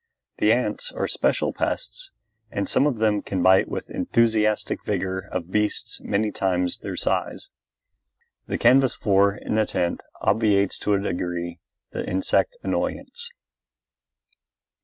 The ants are special pests and some of them can bite with the enthusiastic vigor of beasts many times their size. The canvas floor in a tent obviates to a degree the insect annoyance.